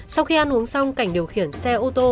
sau khi ăn uống xong cảnh điều khiển xe ô tô